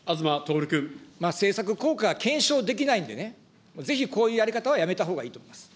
政策効果が検証できないんでね、ぜひ、こういうやり方はやめたほうがいいと思います。